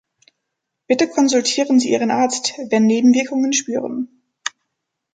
Bitte konsultieren Sie Ihren Arzt, wenn Nebenwirkungen spüren.